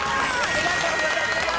ありがとうございます。